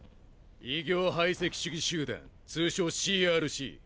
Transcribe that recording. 異形排斥主義集団通称ＣＲＣ。